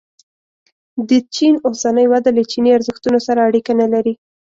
د چین اوسنۍ وده له چیني ارزښتونو سره اړیکه نه لري.